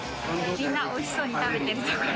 みんなおいしそうに食べてるところ。